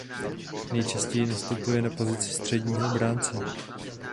Nejčastěji nastupuje na pozici středního obránce.